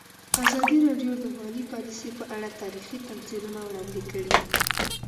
ازادي راډیو د مالي پالیسي په اړه تاریخي تمثیلونه وړاندې کړي.